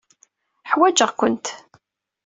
Ḥwajeɣ-kent.